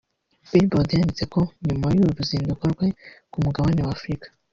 Billboard yanditse ko nyuma y’uru ruzinduko rwe ku mugabane wa Afurika